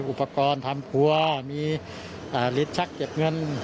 อุปกรณ์ทำครัวมีลิ้นชักเก็บเงิน